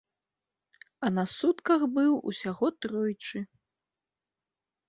А на сутках быў усяго тройчы.